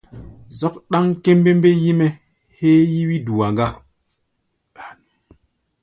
Zɔ́k ɗáŋ kémbémbé yí-mɛ́ héé yí wí-dua gá.